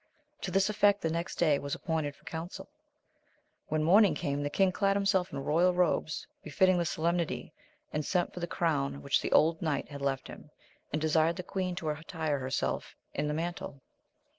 To this effect the next day was appointed for council. When morn ing came, the king clad himself in royal robes, befitting AMADIS OF GAUL. 171 the solemnity, and sent for the crown which the old knight had left him, and desired the Queen to attire herself in the mantle.